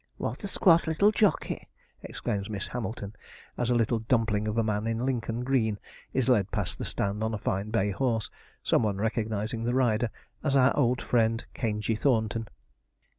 'What a squat little jockey!' exclaims Miss Hamilton, as a little dumpling of a man in Lincoln green is led past the stand on a fine bay horse, some one recognizing the rider as our old friend Caingey Thornton.